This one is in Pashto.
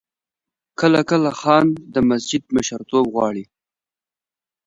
کله کله خان د مسجد مشرتوب غواړي.